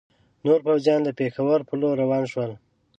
نور پوځیان د پېښور پر لور روان شول.